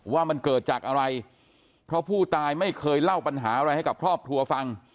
ว่ามันเกิดจากอะไรเพราะผู้ตายไม่เคยเล่าปัญหาอะไรให้กับครอบครัวฟัง